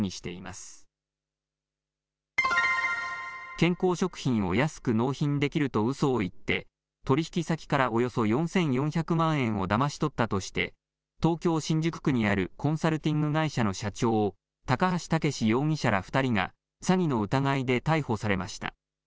健康食品を安く納品できるとうそを言って取引先からおよそ４４００万円をだまし取ったとして東京新宿区にあるコンサルティング会社の社長、高橋武士容疑者ら２人が詐欺の疑いで逮捕されました。